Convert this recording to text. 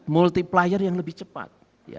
multiplier yang lebih cepat